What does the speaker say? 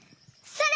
それ！